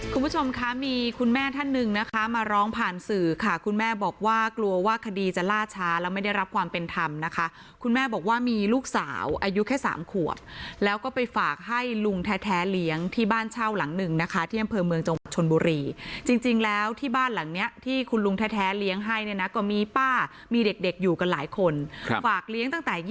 คุณผู้ชมคะมีคุณแม่ท่านหนึ่งนะคะมาร้องผ่านสื่อค่ะคุณแม่บอกว่ากลัวว่าคดีจะล่าช้าแล้วไม่ได้รับความเป็นธรรมนะคะคุณแม่บอกว่ามีลูกสาวอายุแค่สามขวบแล้วก็ไปฝากให้ลุงแท้แท้เลี้ยงที่บ้านเช่าหลังหนึ่งนะคะที่อำเภอเมืองจังหวัดชนบุรีจริงจริงแล้วที่บ้านหลังเนี้ยที่คุณลุงแท้แท้เลี้ยงให